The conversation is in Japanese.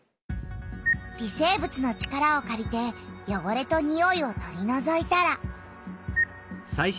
微生物の力をかりてよごれとにおいを取りのぞいたら。